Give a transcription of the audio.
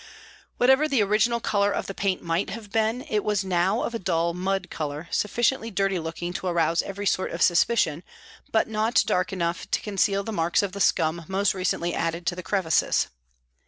Whatever the original colour of the paint might have been, it was now of a dull mud colour, HOLLOWAY PRISON 77 sufficiently dirty looking to arouse every sort of suspicion, but not dark enough to conceal the marks of the scum most recently added to the crevices.